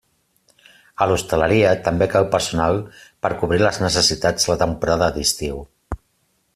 A l'hostaleria també cal personal per cobrir les necessitats de la temporada d'estiu.